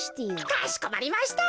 かしこまりました。